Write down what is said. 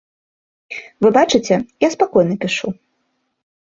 Вы бачыце, я спакойна пішу.